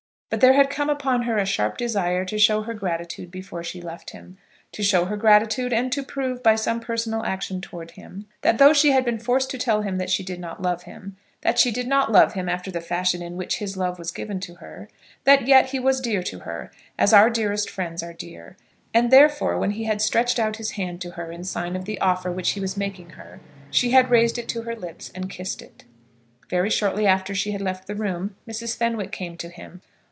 But there had come upon her a sharp desire to show her gratitude before she left him, to show her gratitude, and to prove, by some personal action towards him, that though she had been forced to tell him that she did not love him, that she did not love him after the fashion in which his love was given to her, that yet he was dear to her, as our dearest friends are dear. And therefore, when he had stretched out his hand to her in sign of the offer which he was making her, she had raised it to her lips and kissed it. Very shortly after she had left the room Mrs. Fenwick came to him.